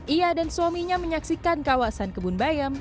ia dan suaminya menyaksikan kawasan kebun bayam